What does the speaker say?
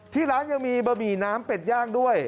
ที่ร้านยังมีบะหมี่น้ำเป็ดย่างด้วย